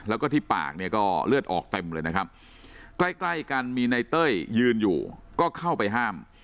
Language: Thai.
แล้วก็ที่ปากเนี่ยก็เลือดออกเต็มเลยนะครับใกล้ใกล้กันมีในเต้ยยืนอยู่ก็เข้าไปห้าม